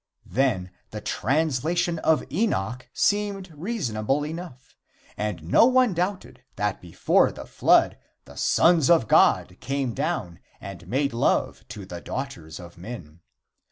Then the translation of Enoch seemed reasonable enough, and no one doubted that before the flood the sons of God came down and made love to the daughters of men.